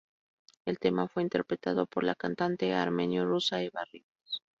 El tema fue interpretado por la cantante armenio-rusa Eva Rivas.